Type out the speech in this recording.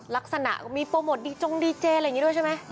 ลักษณะก็มีโปรโมทดีจงดีเจอะไรอย่างนี้ด้วยใช่ไหม